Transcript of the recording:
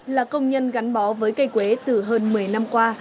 là công nhân gắn bó với cây quế từ hơn một mươi năm qua